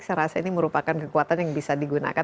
saya rasa ini merupakan kekuatan yang bisa digunakan